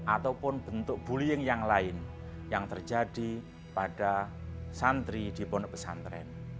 ataupun bentuk bullying yang lain yang terjadi pada santri di pondok pesantren